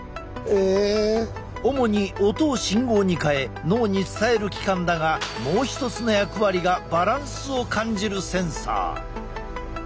主に音を信号に変え脳に伝える器官だがもう一つの役割がバランスを感じるセンサー。